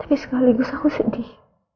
tapi sekaligus aku sedih